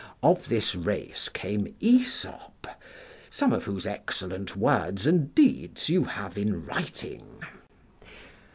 Of this race came Aesop, some of whose excellent words and deeds you have in writing.